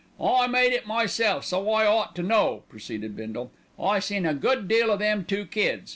"I made it myself, so I ought to know," proceeded Bindle. "I seen a good deal o' them two kids."